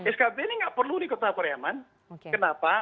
skb ini tidak perlu di kota riyaman kenapa